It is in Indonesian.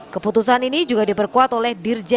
keputusan ini juga diperkuat oleh dirjen